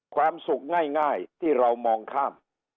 ความสุขง่ายต่างมา